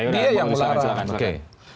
dia yang melaporkan